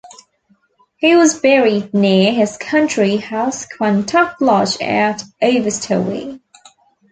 He was buried near his country house Quantock Lodge at Over Stowey.